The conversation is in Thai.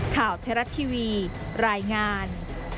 ข่าวเทราะท์ทีวีรายงาน